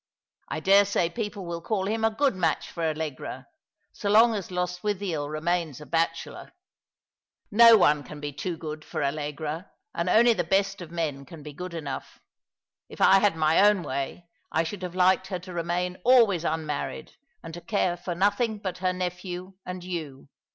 I dare say people will call Lim a good match for Allegra, so long as Lostwithiel remains a bachelor." " No one can be too good for Allegra, and only the best of men can be good enough. If I had my own way, I should have liked her to remain always unmarried, and to care for nothing but her nephew and you.